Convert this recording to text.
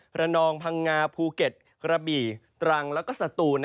ระนองพังงาภูเก็ตกระบี่ตรังแล้วก็สตูน